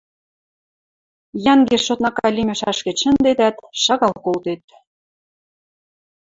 Йӓнгеш однака лимеш ашкед шӹндетӓт, шагал колтет: